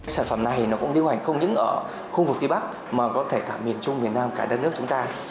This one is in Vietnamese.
sản phẩm này nó cũng lưu hành không những ở khu vực phía bắc mà có thể cả miền trung miền nam cả đất nước chúng ta